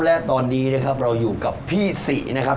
และตอนนี้นะครับเราอยู่กับพี่สินะครับ